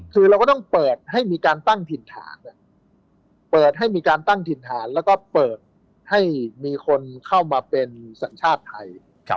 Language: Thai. คือเราก็ต้องเปิดให้มีการตั้งถิ่นฐานแล้วก็เปิดให้มีคนเข้ามาเป็นสัญชาติไทย